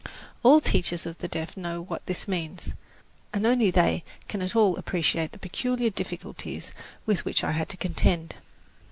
All teachers of the deaf know what this means, and only they can at all appreciate the peculiar difficulties with which I had to contend.